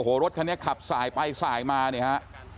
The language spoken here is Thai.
โอ้โหรถคันนี้ขับสายไปสายมาเนี่ยฮะ